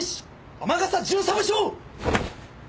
天笠巡査部長！